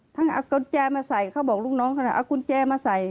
ทั้งเอากุญแจมาใส่เขาบอกลูกน้องขนาดเอากุญแจมาใส่